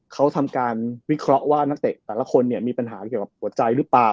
เขาทำการวิเคราะห์ว่านักเตะแต่ละคนเนี่ยมีปัญหาเกี่ยวกับหัวใจหรือเปล่า